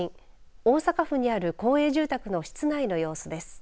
大阪府にある公営住宅の室内の様子です。